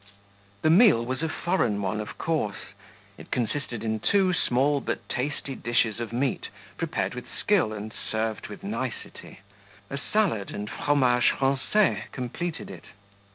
The meal was a foreign one, of course; it consisted in two small but tasty dishes of meat prepared with skill and served with nicety; a salad and "fromage francais," completed it.